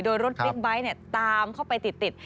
โดยรถบิ๊กไบท์ตามเข้าไปติด